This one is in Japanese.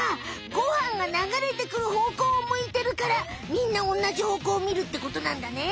ご飯が流れてくる方向を向いてるからみんなおんなじ方向をみるってことなんだね。